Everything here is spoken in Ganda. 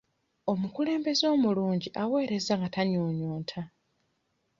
Omukulembeze omulungi aweereza nga tanyuunyuuta.